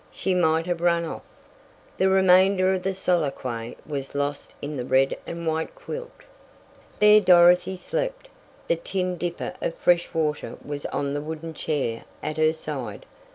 She might have run off " The remainder of the soliloquy was lost in the red and white quilt. There Dorothy slept. The tin dipper of fresh water was on the wooden chair at her side.